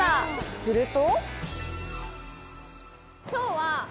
すると。